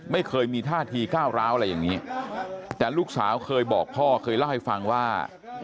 ไม่เคยมีท่าทีก้าวร้าวอะไรอย่างนี้แต่ลูกสาวเคยบอกพ่อเคยเล่าให้ฟังว่า